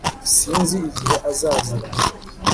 Sinzi igihe azazira